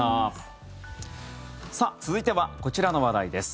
さあ、続いてはこちらの話題です。